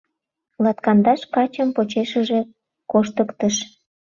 Латкандаш качым почешыже коштыктыш.